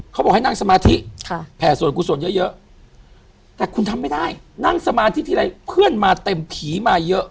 เขาบอกให้นั่งสมาธิแผ่ส่วนกุศลเยอะแต่คุณทำไม่ได้นั่งสมาธิทีไรเพื่อนมาเต็มผีมาเยอะ